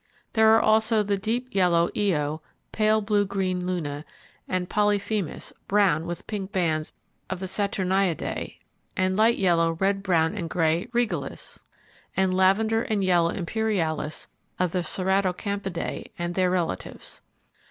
There are also the deep yellow Io, pale blue green Luna, and Polyphemus, brown with pink bands of the Saturniidae; and light yellow, red brown and grey Regalis, and lavender and yellow Imperialis of the Ceratocampidae, and their relatives.